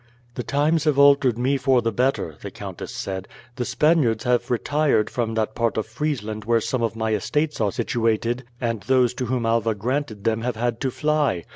"The times have altered me for the better," the countess said. "The Spaniards have retired from that part of Friesland where some of my estates are situated, and those to whom Alva granted them have had to fly.